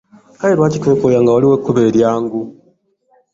Kale lwaki twekooya nga waliwo ekkubo eryangu?